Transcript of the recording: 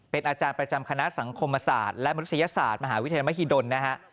เป็นอาจารย์ประจำคณะสังคมศาสตร์และมนุษยศาสตร์มหาวิทยาลัยมหิดลนะฮะ